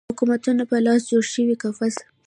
حکومتونو په لاس جوړ شوی قفس